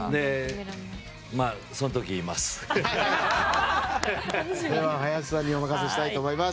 その時言います。